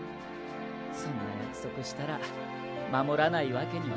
そんな約束したら守らないわけにはいかないだろう。